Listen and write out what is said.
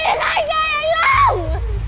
em xin anh ngay anh long